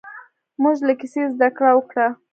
موږ له کیسې زده کړه وکړه.